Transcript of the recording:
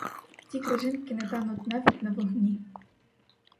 Ці крижинки не тануть навіть на вогні.